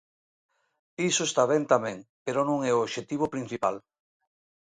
Iso está ben tamén, pero non é o obxectivo principal.